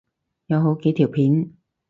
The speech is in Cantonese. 有好幾條片